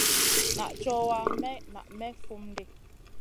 Naʼ cowa, maï naʼ may fum ɗi.